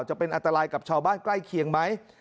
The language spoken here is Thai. จะเป็นอันตรายกับชาวบ้านใกล้เคียงไหม